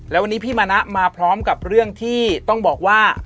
แล้ววันนี้พี่มณะมาพร้อมกับเรื่องที่ต้องบอกว่า